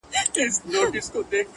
ويل يې غواړم ځوانيمرگ سي،